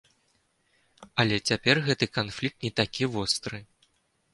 Але цяпер гэты канфлікт не такі востры.